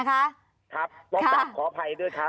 ครับต้องปกฏขออภัยด้วยค่ะ